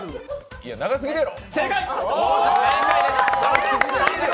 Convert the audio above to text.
いや、長すぎるやろ！